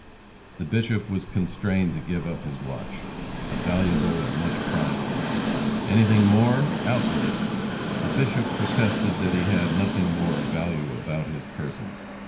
The Bishop was constrained to give up his watch a valuable and much prized one. "Anything more? Out with it." The Bishop protested that he had nothing more of value about his person.